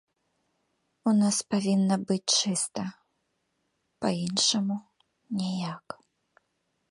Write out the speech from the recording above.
У нас павінна быць чыста, па іншаму ніяк.